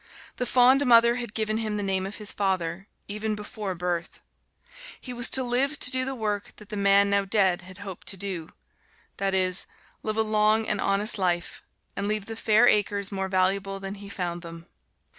The fond mother had given him the name of his father, even before birth! He was to live to do the work that the man now dead had hoped to do; that is, live a long and honest life, and leave the fair acres more valuable than he found them.